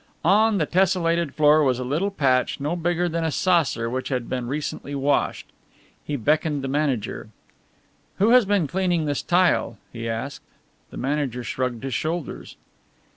On the tessellated floor was a little patch no bigger than a saucer which had been recently washed. He beckoned the manager. "Who has been cleaning this tile?" he asked. The manager shrugged his shoulders.